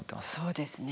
そうですね。